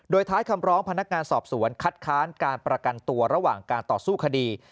โดยท้ายคำร้องพนักงานสอบสวนคัดค้านการประกันตัวระหว่างการต่อสู้คดี